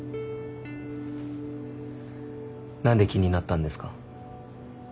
何で気になったんですか？